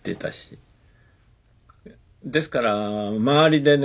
ですから周りでね